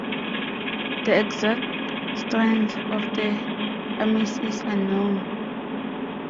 The exact strength of the armies is unknown.